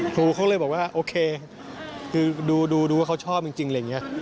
ครูเขาเลยบอกว่าโอเคคือดูว่าเขาชอบจริงอะไรอย่างนี้